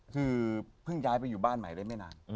คือเพิ่งย้ายไปอยู่บ้านใหม่ได้ไม่นาน